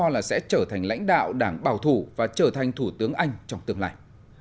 là sẽ trở thành lãnh đạo đảng bảo thủ và trở thành thủ tướng anh trong tương lai